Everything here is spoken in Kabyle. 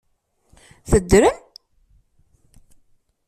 Teddrem?